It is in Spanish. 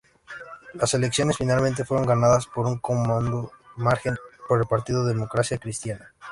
Las elecciones finalmente fueron ganadas por un cómodo margen por el partido Democracia Cristiana.